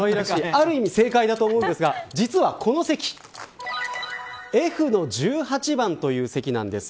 ある意味正解だと思うんですが実は、この席Ｆの１８番という席なんです。